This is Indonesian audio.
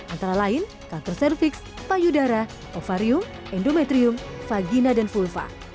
antara lain kanker cervix payudara ovarium endometrium vagina dan vulva